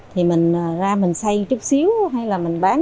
thì mình ra mình xây chút xíu hay là mình bán